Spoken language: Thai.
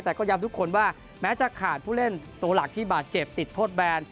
แต่ก็ย้ำทุกคนว่าแม้จะขาดผู้เล่นตัวหลักที่บาดเจ็บติดโทษแบน